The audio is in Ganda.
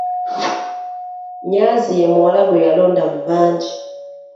Nnyanzi ye muwala gwe yalonda mu bangi.